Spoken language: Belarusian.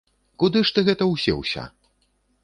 Куды ж ты гэта ўсеўся?